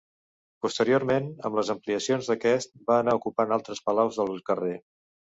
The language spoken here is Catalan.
Posteriorment amb les ampliacions d'aquest, va anar ocupant altres palaus del carrer.